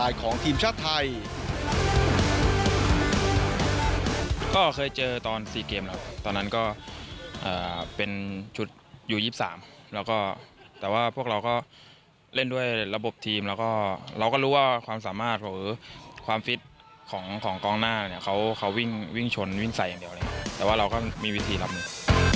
แต่ว่าพวกเราก็เล่นด้วยระบบทีมแล้วก็เราก็รู้ว่าความสามารถหรือความฟิตของกองหน้าเนี่ยเขาวิ่งชนวิ่งใส่อย่างเดียวเลยครับแต่ว่าเราก็มีวิธีรับหนึ่ง